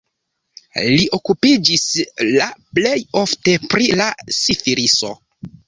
Li okupiĝis la plej ofte pri la sifiliso.